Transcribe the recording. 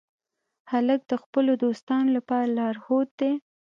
هلک د خپلو دوستانو لپاره لارښود دی.